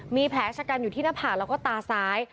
มีแผลชะกันอยู่ที่หน้าผากแล้วก็ตาซ้าย